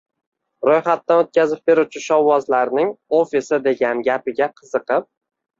ro‘yxatdan o‘tkazib beruvchi shovvozlarning «ofisi» degan gapiga qiziqib